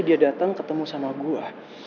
dia datang ketemu sama gue